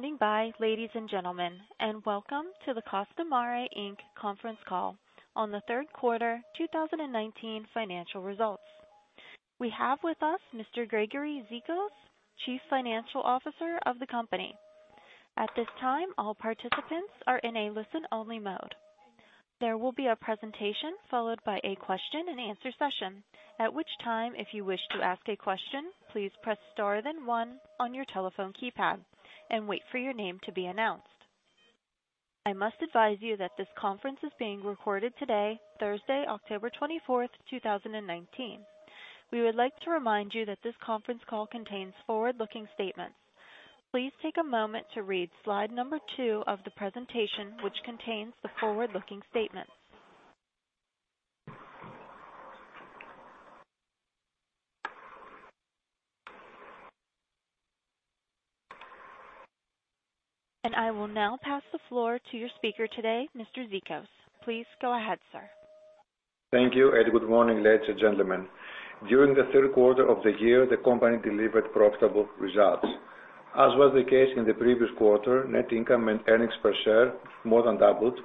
Thank you for standing by, ladies and gentlemen, and welcome to the Costamare Inc. conference call on the third quarter 2019 financial results. We have with us Mr. Gregory Zikos, Chief Financial Officer of the company. At this time, all participants are in a listen-only mode. There will be a presentation followed by a question and answer session. At which time, if you wish to ask a question, please press star then one on your telephone keypad and wait for your name to be announced. I must advise you that this conference is being recorded today, Thursday, October 24th, 2019. We would like to remind you that this conference call contains forward-looking statements. Please take a moment to read slide number two of the presentation, which contains the forward-looking statements. I will now pass the floor to your speaker today, Mr. Zikos. Please go ahead, sir. Thank you. Good morning, ladies and gentlemen. During the third quarter of the year, the company delivered profitable results. As was the case in the previous quarter, net income and earnings per share more than doubled,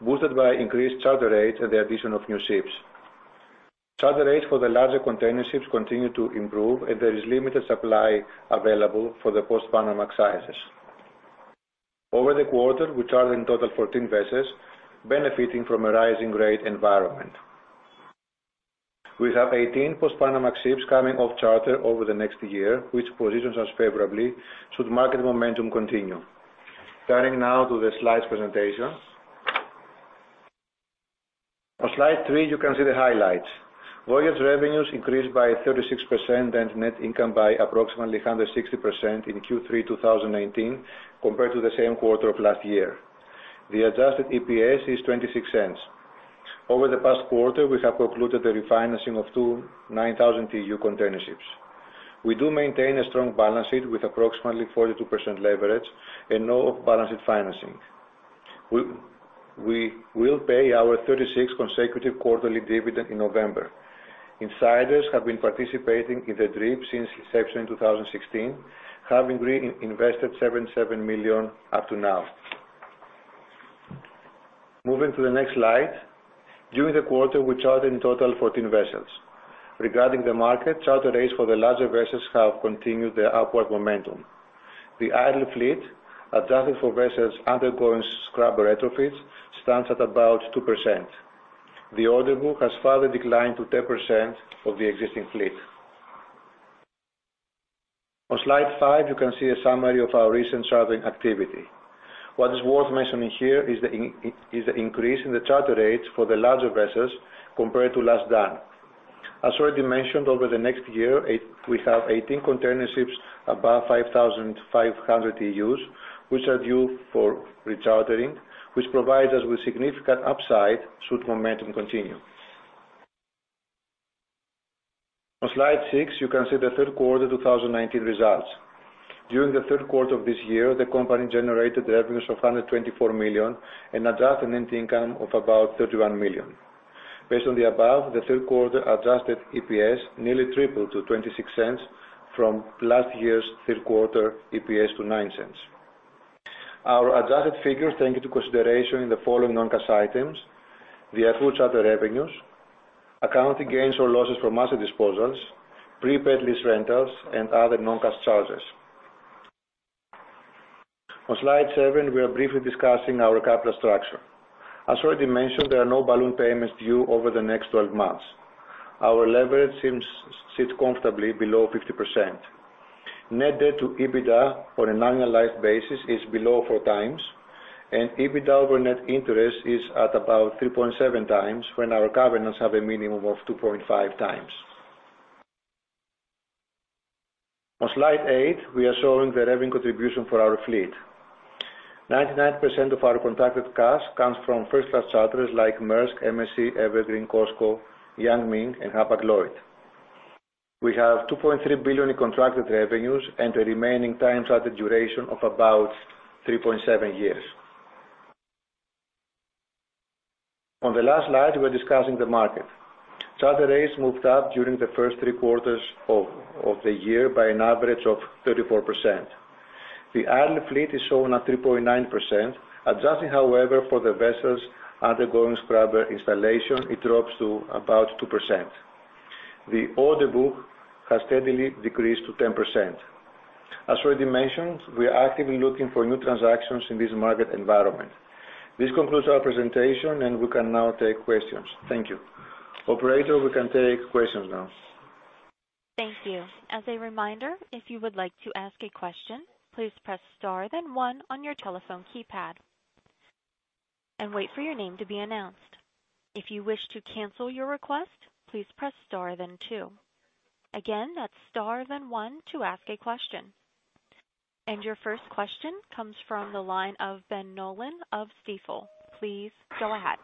boosted by increased charter rates and the addition of new ships. Charter rates for the larger container ships continue to improve, and there is limited supply available for the post-Panamax sizes. Over the quarter, we chartered in total 14 vessels, benefiting from a rising rate environment. We have 18 post-Panamax ships coming off charter over the next year, which positions us favorably should market momentum continue. Turning now to the slides presentation. On slide three, you can see the highlights. Voyage revenues increased by 36% and net income by approximately 160% in Q3 2019 compared to the same quarter of last year. The adjusted EPS is $0.26. Over the past quarter, we have concluded the refinancing of two 9,000 TEU container ships. We do maintain a strong balance sheet with approximately 42% leverage and no off-balance-sheet financing. We will pay our 36th consecutive quarterly dividend in November. Insiders have been participating in the DRIP since inception in 2016, having reinvested $77 million up to now. Moving to the next slide. During the quarter, we chartered in total 14 vessels. Regarding the market, charter rates for the larger vessels have continued their upward momentum. The idle fleet, adjusted for vessels undergoing scrubber retrofits, stands at about 2%. The order book has further declined to 10% of the existing fleet. On slide five, you can see a summary of our recent chartering activity. What is worth mentioning here is the increase in the charter rates for the larger vessels compared to last done. As already mentioned, over the next year, we have 18 container ships above 5,500 TEUs, which are due for rechartering, which provides us with significant upside should momentum continue. On slide six, you can see the third quarter 2019 results. During the third quarter of this year, the company generated revenues of $124 million and adjusted net income of about $31 million. Based on the above, the third quarter adjusted EPS nearly tripled to $0.26 from last year's third quarter EPS to $0.09. Our adjusted figures take into consideration the following non-cash items: the affreightment charter revenues, accounting gains or losses from asset disposals, prepaid lease rentals, and other non-cash charges. On slide seven, we are briefly discussing our capital structure. As already mentioned, there are no balloon payments due over the next 12 months. Our leverage seems sit comfortably below 50%. Net debt to EBITDA on an annualized basis is below four times, and EBITDA over net interest is at about 3.7 times when our covenants have a minimum of 2.5 times. On slide eight, we are showing the revenue contribution for our fleet. 99% of our contracted cash comes from first-class charterers like Maersk, MSC, Evergreen, COSCO, Yang Ming, and Hapag-Lloyd. We have $2.3 billion in contracted revenues and a remaining time charter duration of about 3.7 years. On the last slide, we're discussing the market. Charter rates moved up during the first three quarters of the year by an average of 34%. The idle fleet is shown at 3.9%. Adjusting, however, for the vessels undergoing scrubber installation, it drops to about 2%. The order book has steadily decreased to 10%. As already mentioned, we are actively looking for new transactions in this market environment. This concludes our presentation, and we can now take questions. Thank you. Operator, we can take questions now. Thank you. As a reminder, if you would like to ask a question, please press star then one on your telephone keypad and wait for your name to be announced. If you wish to cancel your request, please press star then two. Again, that's star then one to ask a question. Your first question comes from the line of Ben Nolan of Stifel. Please go ahead.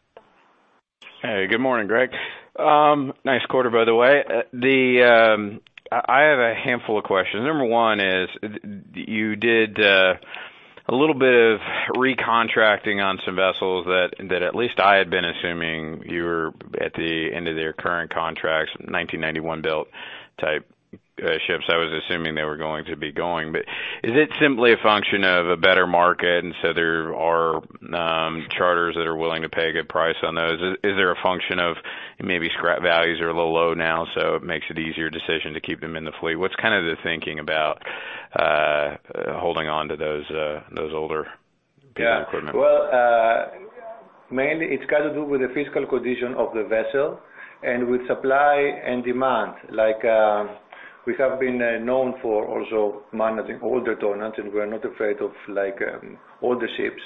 Hey, good morning, Greg. Nice quarter, by the way. I have a handful of questions. Number one is, you did a little bit of recontracting on some vessels that at least I had been assuming you were at the end of their current contracts, 1991-built type ships. I was assuming they were going to be going. Is it simply a function of a better market, and so there are charters that are willing to pay a good price on those? Is there a function of maybe scrap values are a little low now, so it makes it easier decision to keep them in the fleet? What's the thinking about holding onto those older piece of equipment? Well, mainly it's got to do with the physical condition of the vessel and with supply and demand. We have been known for also managing older tonnages, and we're not afraid of older ships.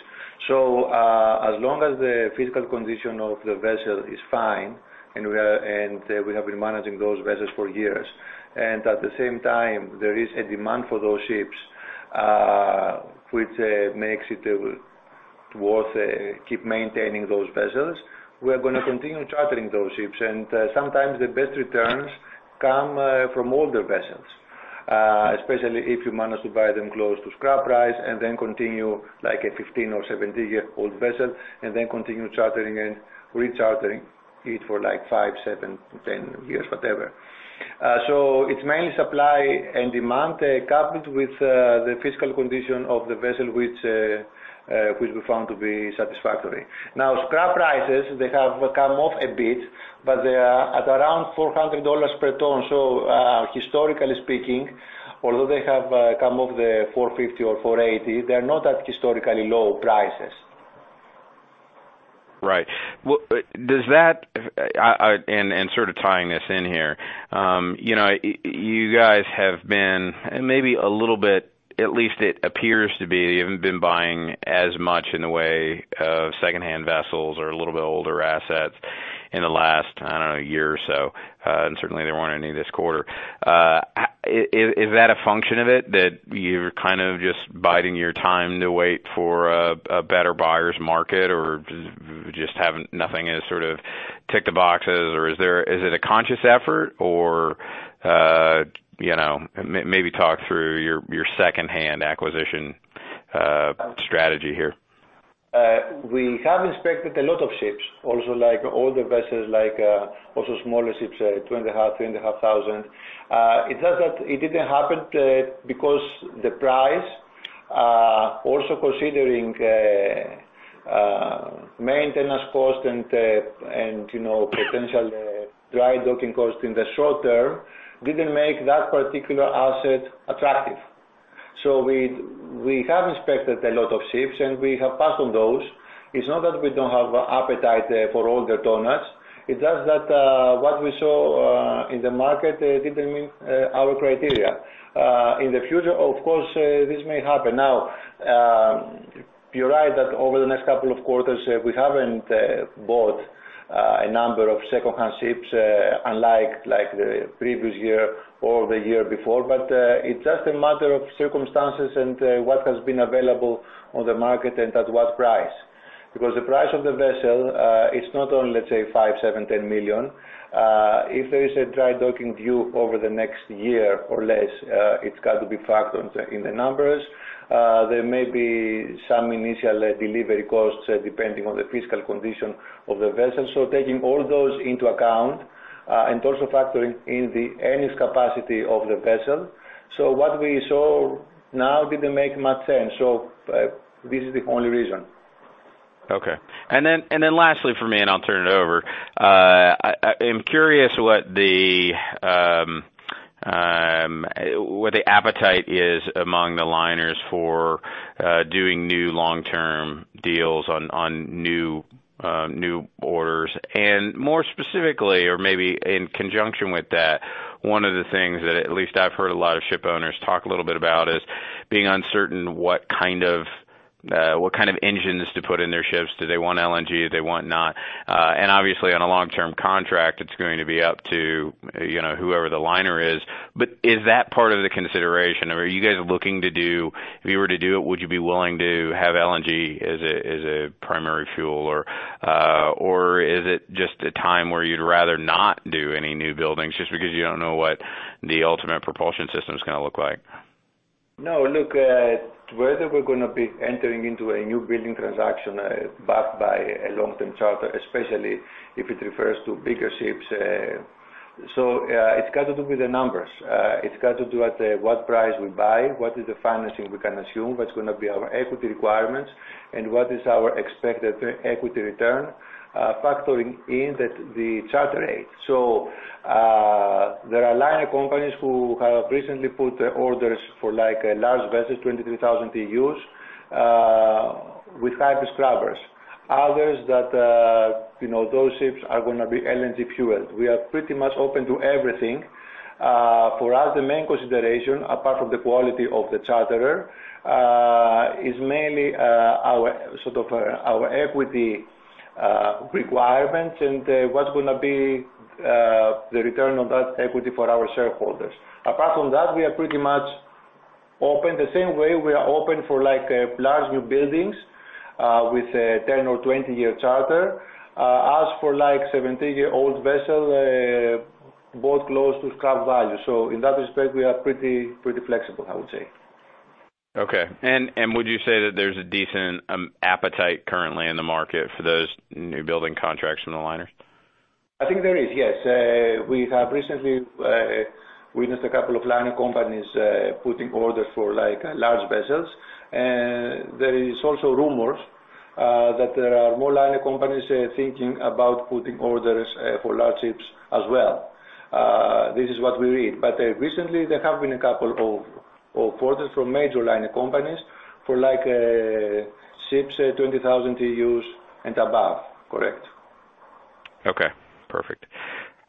As long as the physical condition of the vessel is fine, and we have been managing those vessels for years, and at the same time, there is a demand for those ships, which makes it worth keep maintaining those vessels, we're going to continue chartering those ships. Sometimes the best returns come from older vessels, especially if you manage to buy them close to scrap price and then continue like a 15 or 17-year-old vessel, and then continue chartering and rechartering it for like five, seven, 10 years, whatever. It's mainly supply and demand coupled with the physical condition of the vessel, which we found to be satisfactory. Scrap prices, they have come off a bit, but they are at around $400 per ton. Historically speaking, although they have come off the $450 or $480, they're not at historically low prices. Right. Sort of tying this in here. You guys have been maybe a little bit, at least it appears to be, you haven't been buying as much in the way of secondhand vessels or a little bit older assets in the last, I don't know, year or so. Certainly there weren't any this quarter. Is that a function of it that you're just biding your time to wait for a better buyer's market or just having nothing has sort of ticked the boxes? Or is it a conscious effort or maybe talk through your secondhand acquisition strategy here. We have inspected a lot of ships, also like older vessels, like also smaller ships, 2,500, 3,500. It's just that it didn't happen because the price, also considering maintenance cost and potential dry docking cost in the short-term, didn't make that particular asset attractive. We have inspected a lot of ships, and we have passed on those. It's not that we don't have appetite for older tonnages. It's just that what we saw in the market didn't meet our criteria. In the future, of course, this may happen. You're right that over the next couple of quarters, we haven't bought a number of secondhand ships unlike the previous year or the year before. It's just a matter of circumstances and what has been available on the market and at what price. The price of the vessel, it's not only, let's say, $5 million, $7 million, $10 million. If there is a dry docking due over the next year or less, it's got to be factored in the numbers. There may be some initial delivery costs, depending on the physical condition of the vessel. Taking all those into account, and also factoring in the earnings capacity of the vessel. What we saw now didn't make much sense, so this is the only reason. Okay. Lastly from me, and I'll turn it over. I'm curious what the appetite is among the liners for doing new long-term deals on new orders and more specifically or maybe in conjunction with that, one of the things that at least I've heard a lot of ship owners talk a little bit about is being uncertain what kind of engines to put in their ships. Do they want LNG, do they want not? Obviously on a long-term contract, it's going to be up to whoever the liner is. Is that part of the consideration? Are you guys looking to do, if you were to do it, would you be willing to have LNG as a primary fuel? Is it just a time where you'd rather not do any new buildings just because you don't know what the ultimate propulsion system's going to look like? No, look, whether we're going to be entering into a new building transaction backed by a long-term charter, especially if it refers to bigger ships. It's got to do with the numbers. It's got to do at what price we buy, what is the financing we can assume, what's going to be our equity requirements, and what is our expected equity return, factoring in the charter rate. There are liner companies who have recently put orders for like a large vessels, 23,000 TEUs with hybrid scrubbers. Others that those ships are going to be LNG fueled. We are pretty much open to everything. For us, the main consideration, apart from the quality of the charterer, is mainly our equity requirements and what's going to be the return on that equity for our shareholders. Apart from that, we are pretty much open the same way we are open for large newbuildings with a 10 or 20-year charter. As for 17-year-old vessel, both close to scrap value. In that respect, we are pretty flexible, I would say. Okay. Would you say that there's a decent appetite currently in the market for those new building contracts from the liners? I think there is, yes. We have recently witnessed a couple of liner companies putting orders for large vessels. There is also rumors that there are more liner companies thinking about putting orders for large ships as well. Recently there have been a couple of orders from major liner companies for ships 20,000 TEUs and above. Correct. Okay, perfect.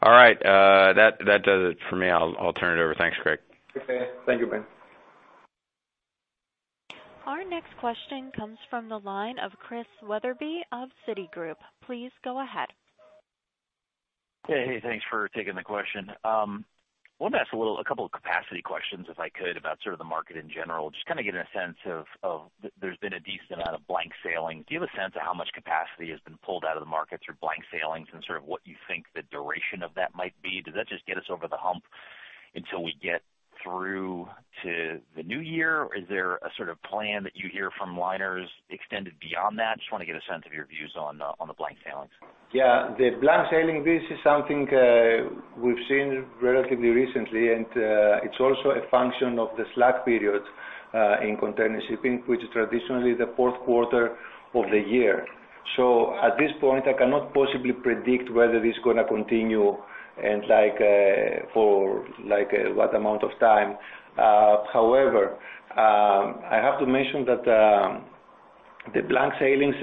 All right, that does it for me. I'll turn it over. Thanks, Greg. Okay. Thank you, Ben. Our next question comes from the line of Chris Wetherbee of Citigroup. Please go ahead. Hey, thanks for taking the question. I want to ask a couple of capacity questions, if I could, about the market in general, just getting a sense of there's been a decent amount of blank sailing. Do you have a sense of how much capacity has been pulled out of the market through blank sailings and what you think the duration of that might be? Does that just get us over the hump until we get through to the new year, or is there a plan that you hear from liners extended beyond that? Just want to get a sense of your views on the blank sailings. The blank sailing, this is something we've seen relatively recently, and it's also a function of the slack period in container shipping, which is traditionally the fourth quarter of the year. At this point, I cannot possibly predict whether this is going to continue and for what amount of time. However, I have to mention that the blank sailings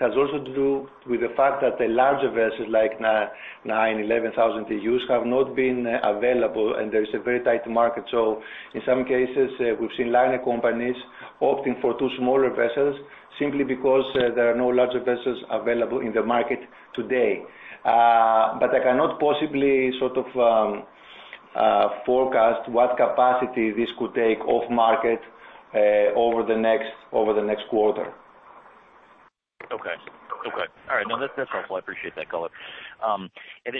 has also to do with the fact that the larger vessels, like nine, 11,000 TEUs have not been available, and there is a very tight market. In some cases, we've seen liner companies opting for two smaller vessels simply because there are no larger vessels available in the market today. I cannot possibly forecast what capacity this could take off market over the next quarter. Okay. All right. No, that's helpful. I appreciate that color.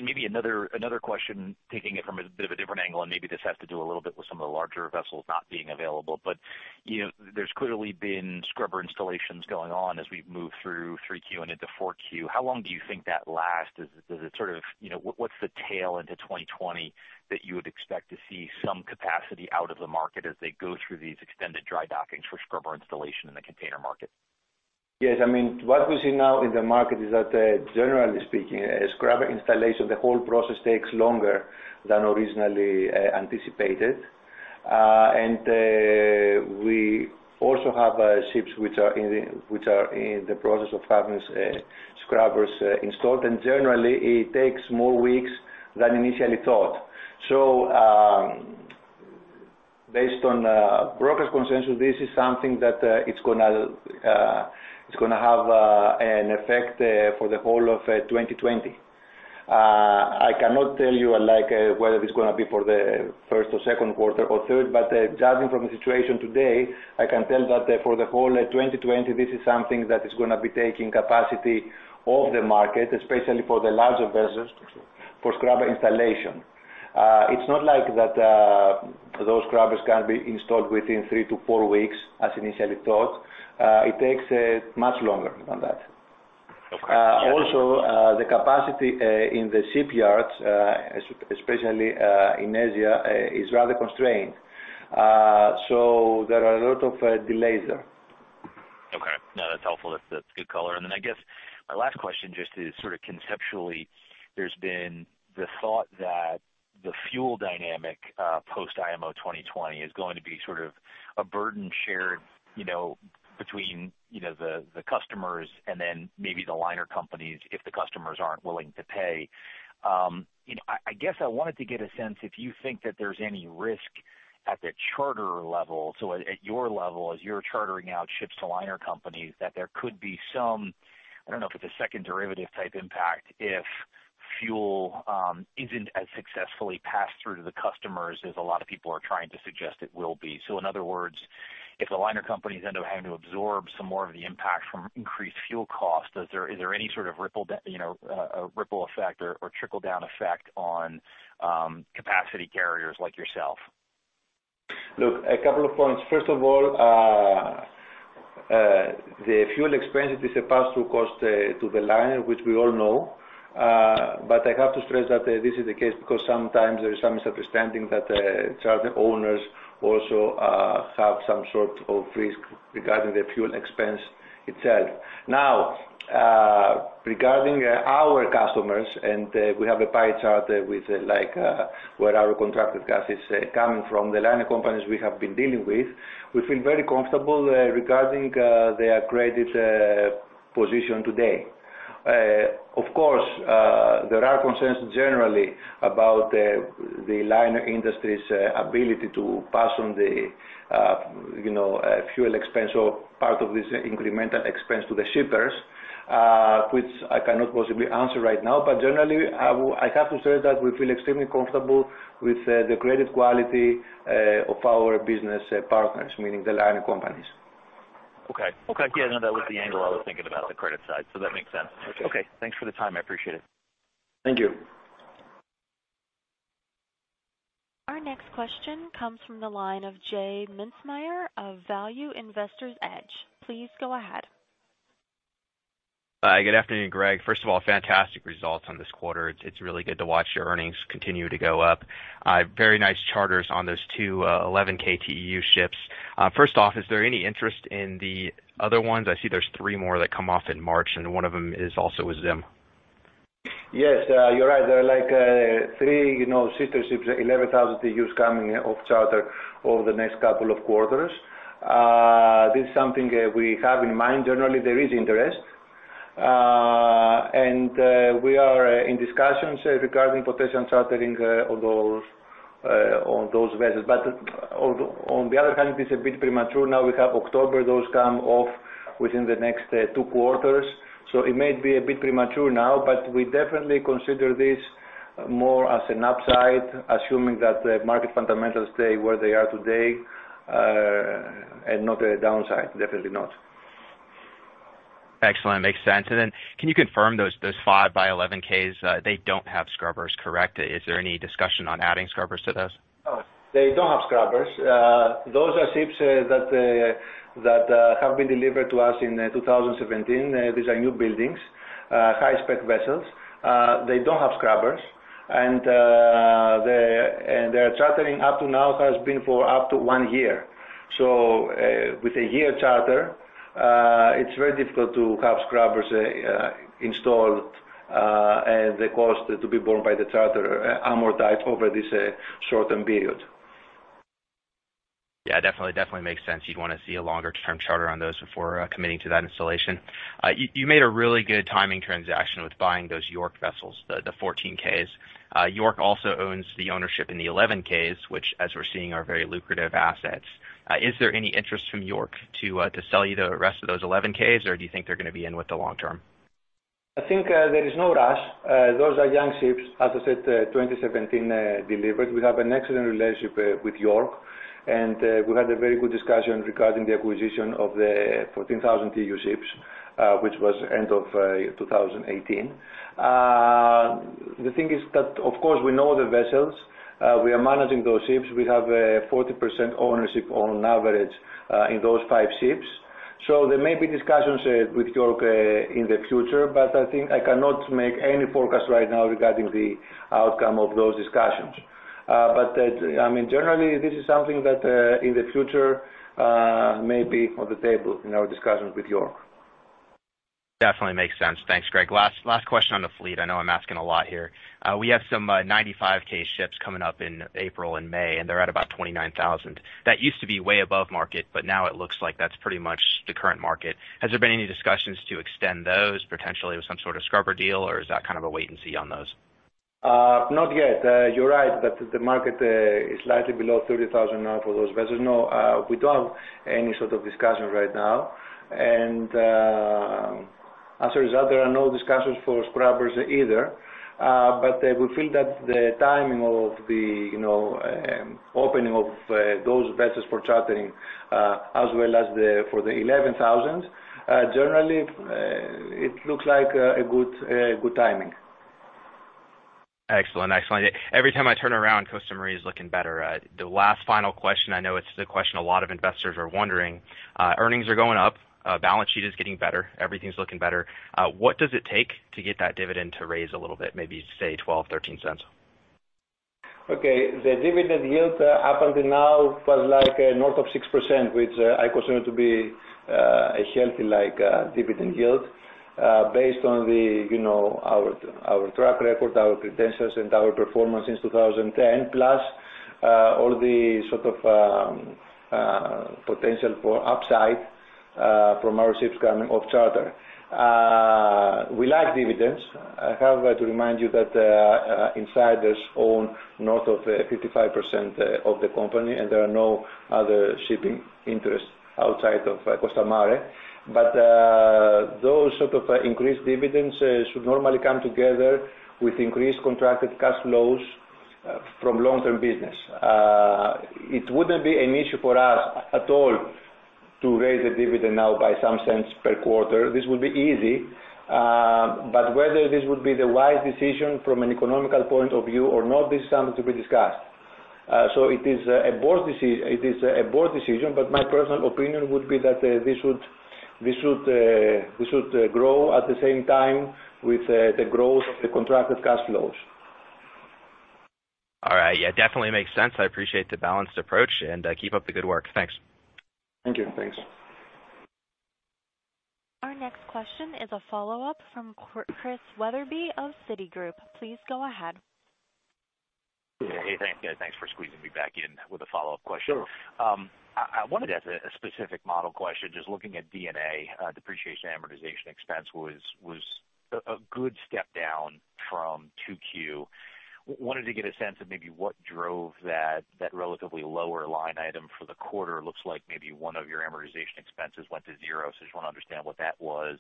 Maybe another question, taking it from a bit of a different angle, maybe this has to do a little bit with some of the larger vessels not being available. There's clearly been scrubber installations going on as we've moved through 3Q and into 4Q. How long do you think that lasts? What's the tail into 2020 that you would expect to see some capacity out of the market as they go through these extended dry dockings for scrubber installation in the container market? Yes, what we see now in the market is that, generally speaking, a scrubber installation, the whole process takes longer than originally anticipated. We also have ships which are in the process of having scrubbers installed, and generally, it takes more weeks than initially thought. Based on brokers' consensus, this is something that it's going to have an effect for the whole of 2020. I cannot tell you whether it's going to be for the first or second quarter or third, but judging from the situation today, I can tell that for the whole of 2020, this is something that is going to be taking capacity off the market, especially for the larger vessels for scrubber installation. It's not like that those scrubbers can be installed within three to four weeks as initially thought. It takes much longer than that. Okay. Also, the capacity in the shipyards, especially in Asia, is rather constrained. There are a lot of delays there. Okay. No, that's helpful. That's good color. I guess my last question, just is conceptually, there's been the thought that the fuel dynamic post IMO 2020 is going to be a burden shared between the customers and then maybe the liner companies if the customers aren't willing to pay. I guess I wanted to get a sense if you think that there's any risk at the charterer level, so at your level, as you're chartering out ships to liner companies, that there could be some, I don't know if it's a 2nd derivative type impact, if fuel isn't as successfully passed through to the customers as a lot of people are trying to suggest it will be. In other words, if the liner companies end up having to absorb some more of the impact from increased fuel costs, is there any sort of ripple effect or trickle-down effect on capacity carriers like yourself? Look, a couple of points. First of all, the fuel expense is a pass-through cost to the liner, which we all know. I have to stress that this is the case because sometimes there is some misunderstanding that charter owners also have some sort of risk regarding the fuel expense itself. Now, regarding our customers, and we have a pie chart with where our contracted cash is coming from, the liner companies we have been dealing with, we feel very comfortable regarding their credit position today. Of course, there are concerns generally about the liner industry's ability to pass on the fuel expense or part of this incremental expense to the shippers. Which I cannot possibly answer right now. Generally, I have to say that we feel extremely comfortable with the credit quality of our business partners, meaning the liner companies. Okay. Yeah, that was the angle I was thinking about, the credit side. That makes sense. Okay. Okay. Thanks for the time, I appreciate it. Thank you. Our next question comes from the line of J Mintzmyer of Value Investor's Edge. Please go ahead. Hi, good afternoon, Greg. First of all, fantastic results on this quarter. It's really good to watch your earnings continue to go up. Very nice charters on those two 11K TEU ships. First off, is there any interest in the other ones? I see there's three more that come off in March, and one of them is also with ZIM. Yes, you're right. There are like three sister ships, 11,000 TEUs coming off charter over the next couple of quarters. This is something we have in mind. Generally, there is interest. We are in discussions regarding potential chartering on those vessels. On the other hand, it is a bit premature now. We have October, those come off within the next two quarters. It may be a bit premature now, but we definitely consider this more as an upside, assuming that the market fundamentals stay where they are today, and not a downside, definitely not. Excellent. Makes sense. Can you confirm those five by 11Ks, they don't have scrubbers, correct? Is there any discussion on adding scrubbers to those? They don't have scrubbers. Those are ships that have been delivered to us in 2017. These are new buildings, high-spec vessels. They don't have scrubbers. Their chartering up to now has been for up to one year. With a year charter, it's very difficult to have scrubbers installed, and the cost to be borne by the charterer amortized over this shortened period. Definitely makes sense. You'd want to see a longer-term charter on those before committing to that installation. You made a really good timing transaction with buying those York vessels, the 14Ks. York also owns the ownership in the 11Ks, which as we're seeing are very lucrative assets. Is there any interest from York to sell you the rest of those 11Ks or do you think they're going to be in with the long term? I think there is no rush. Those are young ships, as I said, 2017 delivered. We have an excellent relationship with York. We had a very good discussion regarding the acquisition of the 14,000 TEU ships, which was end of 2018. The thing is that, of course, we know the vessels. We are managing those ships. We have a 40% ownership on average in those five ships. There may be discussions with York in the future, but I think I cannot make any forecast right now regarding the outcome of those discussions. Generally, this is something that in the future may be on the table in our discussions with York. Definitely makes sense. Thanks, Greg. Last question on the fleet. I know I'm asking a lot here. We have some 95K ships coming up in April and May, and they're at about $29,000. That used to be way above market, but now it looks like that's pretty much the current market. Has there been any discussions to extend those potentially with some sort of scrubber deal, or is that kind of a wait and see on those? Not yet. You're right that the market is slightly below $30,000 now for those vessels. No, we don't have any sort of discussion right now. Answer is that there are no discussions for scrubbers either. We feel that the timing of the opening of those vessels for chartering, as well as for the 11,000, generally it looks like a good timing. Excellent. Every time I turn around, Costamare is looking better. The last final question, I know it's the question a lot of investors are wondering. Earnings are going up, balance sheet is getting better, everything's looking better. What does it take to get that dividend to raise a little bit, maybe, say, $0.12, $0.13? Okay. The dividend yield up until now was like north of 6%, which I consider to be a healthy dividend yield. Based on our track record, our credentials, and our performance since 2010, plus all the sort of potential for upside from our ships coming off charter. We like dividends. I have to remind you that insiders own north of 55% of the company, and there are no other shipping interests outside of Costamare. Those sort of increased dividends should normally come together with increased contracted cash flows from long-term business. It wouldn't be an issue for us at all to raise the dividend now by some cents per quarter. This would be easy. Whether this would be the wise decision from an economical point of view or not, this is something to be discussed. It is a board decision, but my personal opinion would be that this should grow at the same time with the growth of the contracted cash flows. All right. Yeah, definitely makes sense. I appreciate the balanced approach, and keep up the good work. Thanks. Thank you. Our next question is a follow-up from Chris Wetherbee of Citigroup. Please go ahead. Hey, thanks for squeezing me back in with a follow-up question. Sure. I wanted as a specific model question, just looking at D&A, depreciation, amortization expense was a good step down from 2Q. I wanted to get a sense of maybe what drove that relatively lower line item for the quarter. Looks like maybe one of your amortization expenses went to zero. I just want to understand what that was.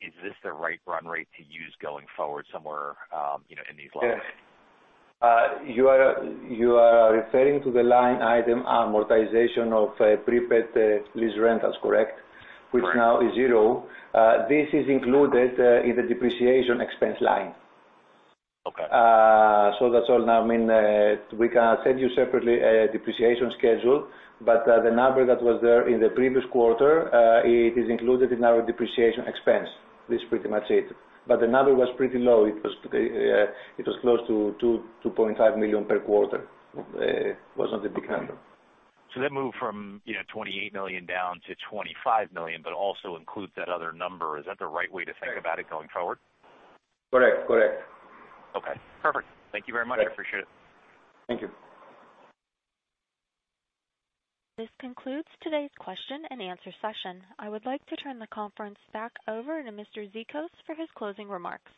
Is this the right run rate to use going forward somewhere in these lines? You are referring to the line item amortization of prepaid lease rentals, correct? Correct. Which now is zero. This is included in the depreciation expense line. Okay. That's all now, I mean, we can send you separately a depreciation schedule, but the number that was there in the previous quarter it is included in our depreciation expense. This is pretty much it. The number was pretty low. It was close to $2.5 million per quarter. It wasn't a big number. That moved from $28 million down to $25 million but also includes that other number. Is that the right way to think about it going forward? Correct. Okay, perfect. Thank you very much. I appreciate it. Thank you. This concludes today's question and answer session. I would like to turn the conference back over to Mr. Zikos for his closing remarks.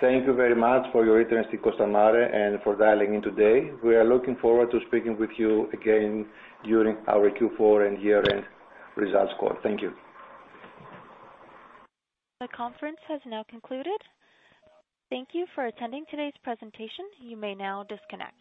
Thank you very much for your interest in Costamare and for dialing in today. We are looking forward to speaking with you again during our Q4 and year-end results call. Thank you. The conference has now concluded. Thank you for attending today's presentation. You may now disconnect.